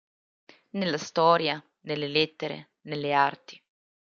Nella storia, nelle lettere, nelle arti".